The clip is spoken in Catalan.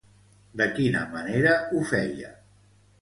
De quina manera ho feia?